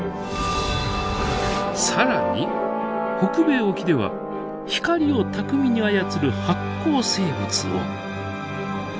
更に北米沖では光を巧みに操る発光生物を。